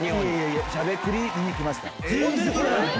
『しゃべくり』に来ました。